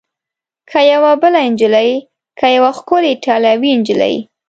که یوه بله نجلۍ؟ که یوه ښکلې ایټالوۍ نجلۍ؟